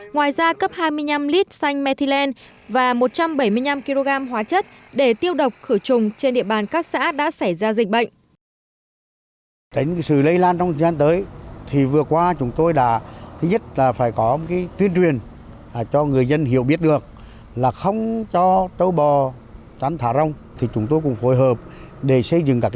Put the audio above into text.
ngoài ra cấp hai mươi năm lít xanh methylene và một trăm bảy mươi năm kg hóa chất để tiêu độc khử trùng trên địa bàn các xã